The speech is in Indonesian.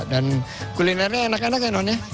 dan kulinernya enak enak ya nonnya